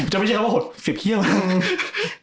จะไม่ใช่คำว่าโหดเสียบเหี้ยมาก